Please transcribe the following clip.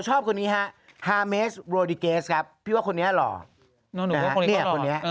ชอบคนนี้ฮะครับพี่ว่าคนนี้หล่อนะฮะเนี้ยคนนี้เออ